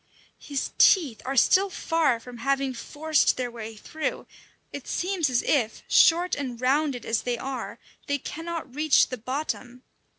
His teeth are still far from having forced their way through; it seems as if, short and rounded as they are, they cannot reach the bottom.